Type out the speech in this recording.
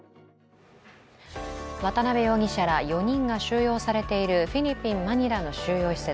渡辺容疑者ら４人が収容されているフィリピンの収容施設。